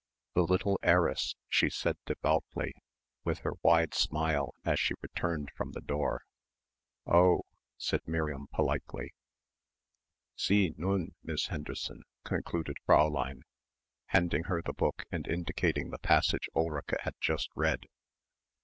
"The little heiress," she said devoutly, with her wide smile as she returned from the door. "Oh ..." said Miriam politely. "Sie, nun, Miss Henderson," concluded Fräulein, handing her the book and indicating the passage Ulrica had just read.